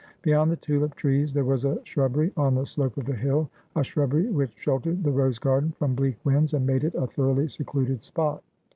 Beyond the tulip trees there was a shrubbery on the slope of the hill, a shrubbery which shel tered the rose garden from bleak winds, and made it a thoroughly secluded spot.